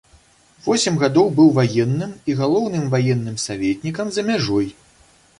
Восем гадоў быў ваенным і галоўным ваенным саветнікам за мяжой.